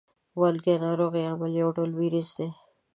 والګی ناروغۍ عامل یو ډول ویروس دی.